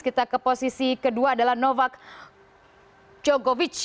kita ke posisi kedua adalah novak djokovic